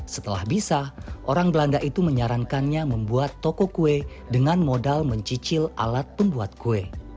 setelah bisa orang belanda itu menyarankannya membuat toko kue dengan modal mencicil alat pembuat kue